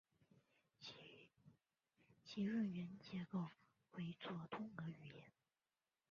其论元结构为作通格语言。